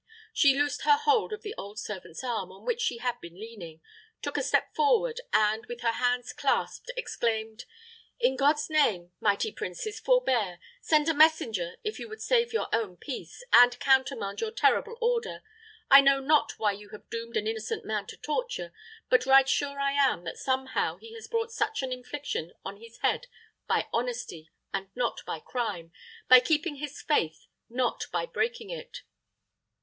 She loosed her hold of the old servant's arm, on which she had been leaning, took a step forward, and, with her hands clasped, exclaimed, "In God's name, mighty princes, forbear! Send a messenger, if you would save your own peace, and countermand your terrible order. I know not why you have doomed an innocent man to torture, but right sure I am that somehow he has brought such an infliction on his head by honesty, and not by crime; by keeping his faith, not by breaking it."